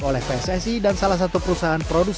oleh pssi dan salah satu perusahaan yang berpengalaman